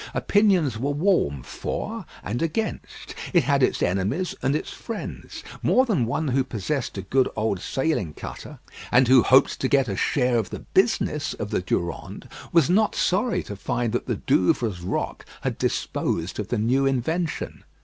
Opinions were warm for and against. It had its enemies and its friends. More than one who possessed a good old sailing cutter, and who hoped to get a share of the business of the Durande, was not sorry to find that the Douvres rock had disposed of the new invention.